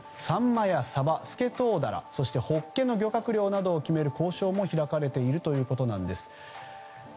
サンマやサバ、スケトウダラそしてホッケの漁獲量などを決める交渉も開かれているということです。